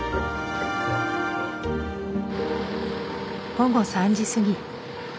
午後３時過ぎ。